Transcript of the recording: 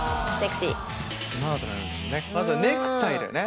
まずはネクタイだよね。